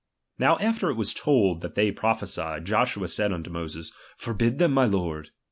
Now after it was told that they prophesied, Joshua said unto Moses, Forbid them, my lord.